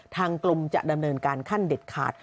ทางกลุ่มจะดำเนินการขั้นเด็ดขาด